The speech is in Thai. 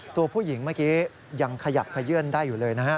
ตัวผู้หญิงเมื่อกี้ยังขยับขยื่นได้อยู่เลยนะฮะ